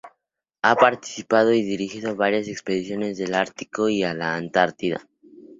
Ha participado y dirigido varias expediciones al Ártico y a la Antártida.